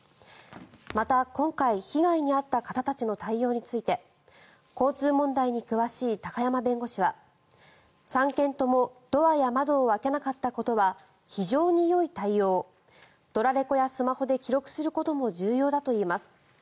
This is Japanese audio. また、今回被害に遭った方たちの対応について交通問題に詳しい高山弁護士は３件ともドアや窓を開けなかったことは非常によい対応ドラレコやスマホで記録することも重要だといいます。